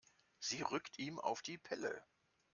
Sie rückt ihm auf die Pelle.